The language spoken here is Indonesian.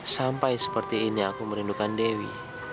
sampai seperti ini aku merindukan dewi